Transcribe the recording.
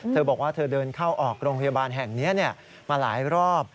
เธอบอกว่าเธอเดินเข้าออกโรงพยาบาลแห่งนี้มาหลายรอบ